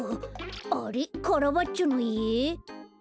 あれっカラバッチョのいえ？